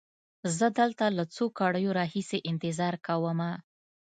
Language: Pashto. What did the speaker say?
زه دلته له څو ګړیو را هیسې انتظار کومه.